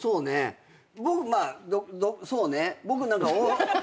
僕まあどどそうね。